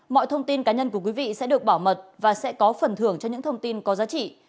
mọi thông tin cá nhân của quý vị sẽ được bảo mật và sẽ có phần thưởng cho những thông tin có giá trị